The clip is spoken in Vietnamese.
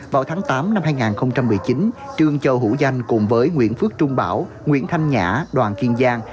vào tháng tám năm hai nghìn một mươi chín trương châu hữu danh cùng với nguyễn phước trung bảo nguyễn thanh nhã đoàn kiên giang